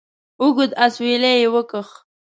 اوږد اسویلی یې وکېښ.